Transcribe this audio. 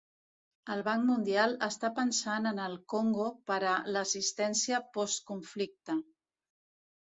El Banc Mundial està pensant en el Congo per a l'assistència postconflicte.